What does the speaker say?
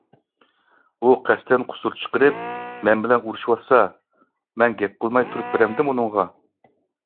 ئۇ قەستەن قۇسۇر چىقىرىپ مەن بىلەن ئۇرۇشىۋاتسا، مەن گەپ قىلماي تۇرۇپ بېرەمدىم ئۇنىڭغا.